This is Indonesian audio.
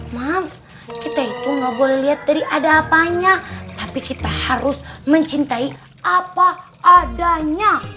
mas kita itu gak boleh lihat dari ada apanya tapi kita harus mencintai apa adanya